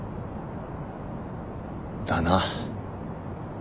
だな。